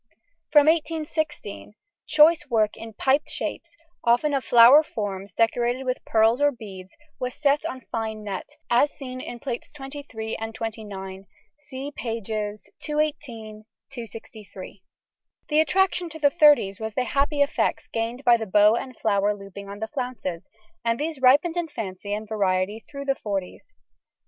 From 1816 choice work in piped shapes, often of flower forms decorated with pearls or beads, was set on fine net, as seen in Plates XXIII and XXIX (see pp. 218, 263). The attraction to the thirties was the happy effects gained by the bow and flower looping on the flounces, and these ripened in fancy and variety through the forties.